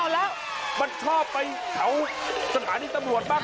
แล้วมันชอบไปแถวสถานีตำรวจบ้าง